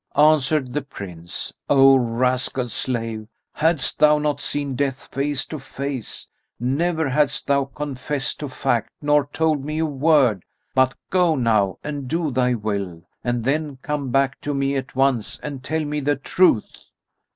Answered the Prince, "O rascal slave! hadst thou not seen death face to face, never hadst thou confessed to fact nor told me a word; but go now and do thy will, and then come back to me at once and tell me the truth."